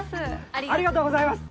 ありがとうございます。